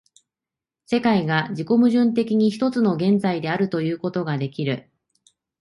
世界が自己矛盾的に一つの現在であるということができる。